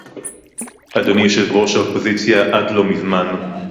אדוני יושב-ראש האופוזיציה עד לא מזמן